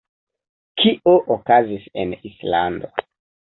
Kio okazis en Islando?